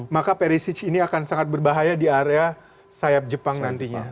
maka perisic ini akan sangat berbahaya di area sayap jepang nantinya